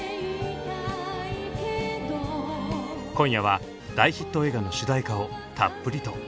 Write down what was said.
今夜は大ヒット映画の主題歌をたっぷりと。